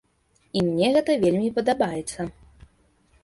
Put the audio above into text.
І мне гэта вельмі падабаецца.